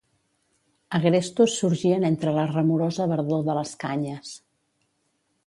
Agrestos sorgien entre la remorosa verdor de les canyes.